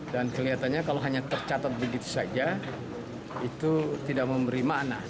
kelihatannya kalau hanya tercatat begitu saja itu tidak memberi makna